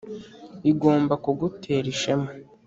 igomba kugutera ishema.